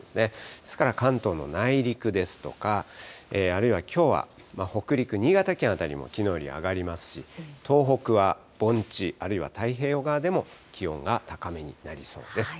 ですから関東の内陸ですとか、あるいはきょうは北陸、新潟県辺りもきのうより上がりますし、東北は盆地、あるいは太平洋側でも気温が高めになりそうです。